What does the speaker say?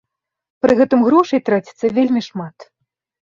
Пры гэтым грошай траціцца вельмі шмат.